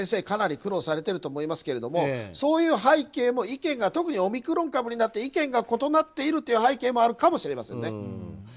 かなり苦労されてると思いますがそういう背景特にオミクロン株になって意見が異なっているという背景があるかもしれませんね。